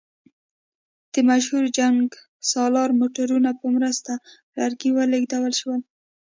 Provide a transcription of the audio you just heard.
د مشهور جنګسالار موټرو په مرسته لرګي ولېږدول شول.